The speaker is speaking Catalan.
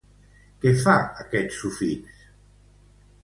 Què fa aquest sufix?